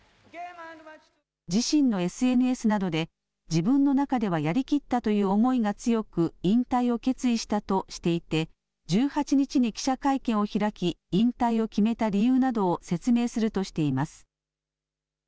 自身のＳＮＳなどで自分の中ではやりきったという思いが強く引退を決意したとしていて１８日に記者会見を開き引退を決めた理由などを説明するとしています。